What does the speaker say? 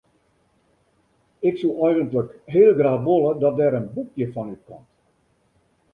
Ik soe eigentlik heel graach wolle dat der in boekje fan útkomt.